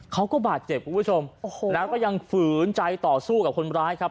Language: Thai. เขาก็บาดเจ็บคุณผู้ชมโอ้โหแล้วก็ยังฝืนใจต่อสู้กับคนร้ายครับ